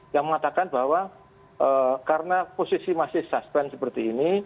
yang mengatakan bahwa karena posisi masih stasmen